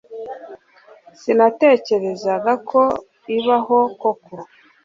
Sinatekerezaga ko ibaho koko